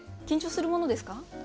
緊張するものですか？